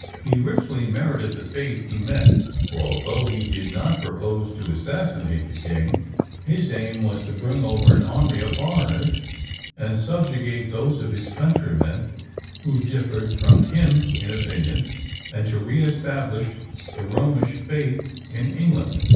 He richly merited the fate he met, for although he did not propose to assassinate the king, his aim was to bring over an army of foreigners, and subjugate those of his countrymen who differed from him in opinion, and to re establish the Romish faith in England.